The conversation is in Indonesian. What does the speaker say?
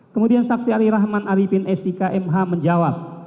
kemudian saksi arif rahman arifin s i k m h menjawab